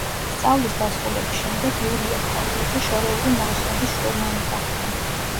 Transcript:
სწავლის დასრულების შემდეგ იულია ფაილოძე შორეული ნაოსნობის შტურმანი გახდა.